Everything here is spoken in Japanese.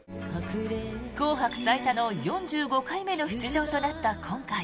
「紅白」最多の４５回目の出場となった今回。